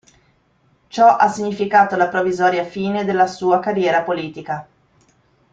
Ciò ha significato la provvisoria fine della sua carriera politica.